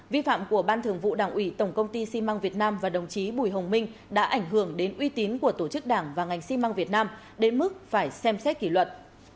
vi phạm của ban thường vụ đảng ủy tổng công ty xi măng việt nam và đồng chí bùi hồng minh đã ảnh hưởng đến uy tín của tổ chức đảng và ngành xi măng việt nam đến mức phải xem xét kỷ luật